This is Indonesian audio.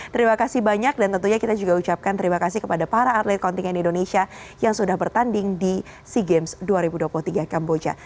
terima kasih banyak dan tentunya kita juga ucapkan terima kasih kepada para atlet kontingen indonesia yang sudah bertanding di sea games dua ribu dua puluh tiga kamboja